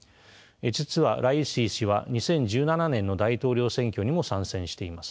実はライシ師は２０１７年の大統領選挙にも参戦しています。